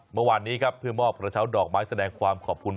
เมื่อวานนี้ครับเพื่อมอบกระเช้าดอกไม้แสดงความขอบคุณ